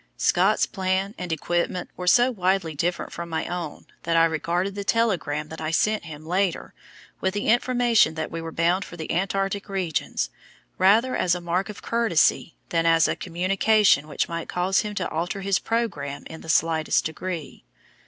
Scott's plan and equipment were so widely different from my own that I regarded the telegram that I sent him later, with the information that we were bound for the Antarctic regions, rather as a mark of courtesy than as a communication which might cause him to alter his programme in the slightest degree.